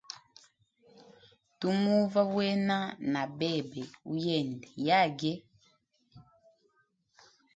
Tumuva wena na bebe uyende yage.